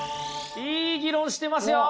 いい議論してますよ！